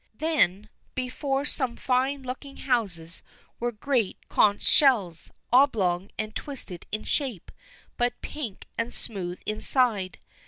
Then, before some fine looking houses were great conch shells, oblong and twisted in shape, but pink and smooth inside.